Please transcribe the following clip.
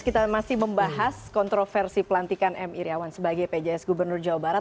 kita masih membahas kontroversi pelantikan m iryawan sebagai pjs gubernur jawa barat